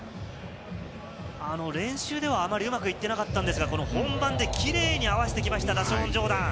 練習ではあまりうまくいっていなかったんですが、本番でキレイに合わせてきました。